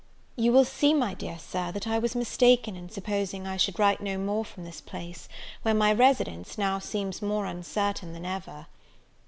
YOU will see, my dear Sir, that I was mistaken in supposing I should write no more from this place, where my residence now seems more uncertain than ever.